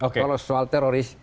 kalau soal teroris